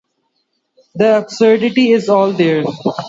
The absurdity is all there.